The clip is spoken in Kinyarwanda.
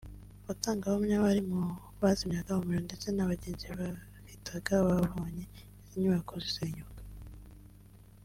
Abatangabuhamya bari mu bazimyaga umuriro ndetse n’abagenzi bahitaga babonye izi nyubako zisenyuka